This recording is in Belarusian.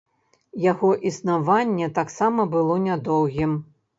Яго існаванне таксама было нядоўгім.